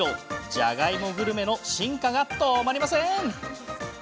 じゃがいもグルメの進化が止まりません。